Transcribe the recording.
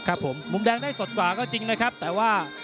ครับผมมุมแดงได้สดกว่าก็จริงนะครับแต่ว่า